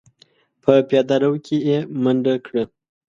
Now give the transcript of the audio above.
په پياده رو کې يې منډه کړه.